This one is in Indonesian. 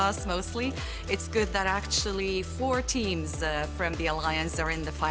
atmosfernya sangat bagus karena semua alat alat kami mengecewakan kami semua